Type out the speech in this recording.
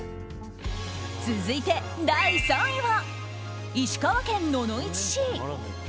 続いて、第３位は石川県野々市市。